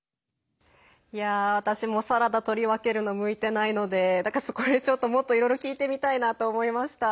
私もサラダ取り分けるの向いてないのでだから、これちょっともっと、いろいろ聴いてみたいなと思いました。